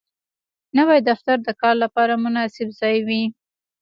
نوی دفتر د کار لپاره مناسب ځای وي